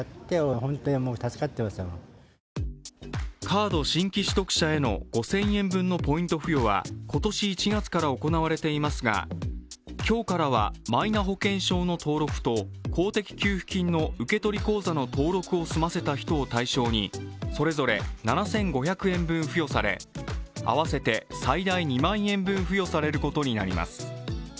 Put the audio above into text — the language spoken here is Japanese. カード新規取得者への５０００円分のポイント付与は今年１月から行われていますが、今日からはマイナ保険証の登録と公的給付金の受取口座の登録を済ませた人を対象にそれぞれ７５００円分付与され、合わせて最大２万円分付与されることになります。